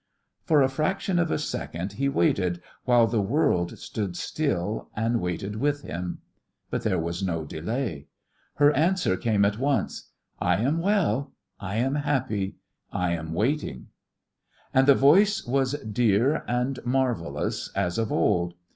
For a fraction of a second he waited, while the world stood still and waited with him. But there was no delay. Her answer came at once: "I am well.... I am happy.... I am waiting." And the voice was dear and marvellous as of old.